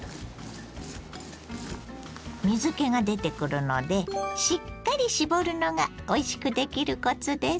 水けが出てくるのでしっかり絞るのがおいしくできるコツです。